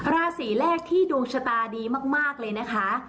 ราศีแรกที่ดวงชะตาดีมากเลยนะคะ